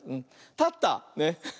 たった。ね。